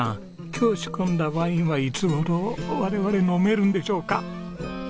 今日仕込んだワインはいつ頃我々飲めるんでしょうか？